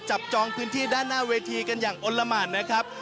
จองพื้นที่ด้านหน้าเวทีกันอย่างอ้นละหมานนะครับ